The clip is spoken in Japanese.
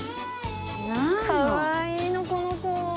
かわいいのこの子。